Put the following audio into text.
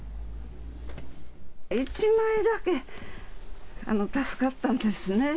１枚だけ助かったんですね。